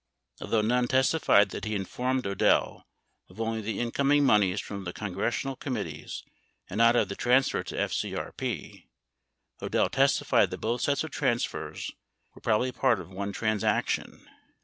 34 Although Nunn testified that he informed Odell of only the incoming moneys from the con gressional committees and not of the transfer to FCRP, Odell testified that both sets of transfers were probably part of one transaction.